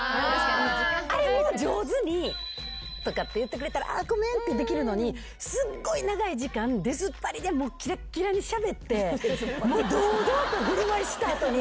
あれも上手にとかって言ってくれたらごめん！ってできるのにすっごい長い時間出ずっぱりでキラキラにしゃべって堂々と振る舞いした後に。